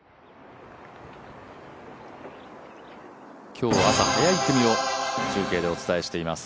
今日は朝早い組を中継でお伝えしています。